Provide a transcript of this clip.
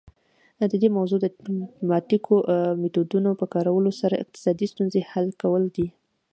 د دې موضوع د ډیپلوماتیکو میتودونو په کارولو سره اقتصادي ستونزې حل کول دي